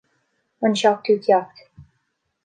An seachtú ceacht